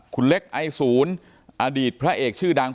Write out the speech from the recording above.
คุณเล็กไอศูนย์อดีตพระเอกชื่อดัง